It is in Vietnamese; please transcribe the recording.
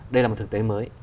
đây là một thực tế mới